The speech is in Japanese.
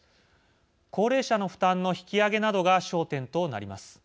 高齢者の負担の引き上げなどが焦点となります。